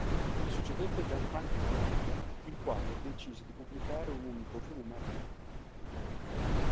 Gli succedette Gianfranco Contini, il quale decise di pubblicare un unico volume all'anno.